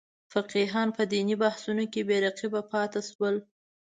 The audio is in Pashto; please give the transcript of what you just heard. فقیهان په دیني بحثونو کې بې رقیبه پاتې شول.